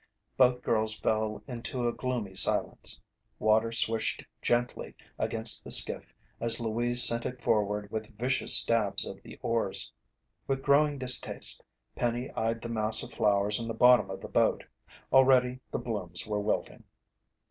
Both girls fell into a gloomy silence. Water swished gently against the skiff as Louise sent it forward with vicious stabs of the oars. With growing distaste, Penny eyed the mass of flowers in the bottom of the boat. Already the blooms were wilting.